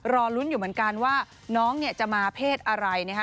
รอลุ้นอยู่เหมือนกันว่าน้องเนี่ยจะมาเพศอะไรนะฮะ